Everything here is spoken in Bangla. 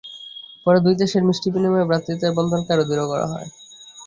পরে দুই দেশের মিষ্টি বিনিময়ে ভ্রাতৃত্বের বন্ধনকে আরও দৃঢ় করা হয়।